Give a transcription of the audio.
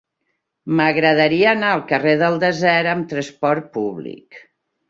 M'agradaria anar al carrer del Desert amb trasport públic.